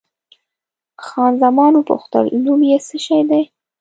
خان زمان وپوښتل، نوم یې څه شی دی؟